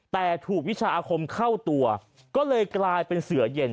แต่ถูกวิชาอาคมเข้าตัวก็เลยกลายเป็นเสือเย็น